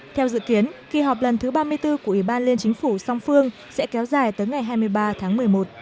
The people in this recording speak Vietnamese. theo dự kiến kỳ họp lần thứ ba mươi bốn của ủy ban liên chính phủ song phương sẽ kéo dài tới ngày hai mươi ba tháng một mươi một